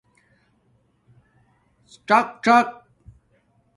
ڎق ڎق